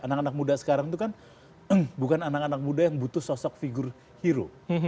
anak anak muda sekarang itu kan bukan anak anak muda yang butuh sosok figur hero